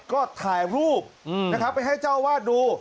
ก็ถ่ายรูปนะครับไปให้เจ้าวาดดู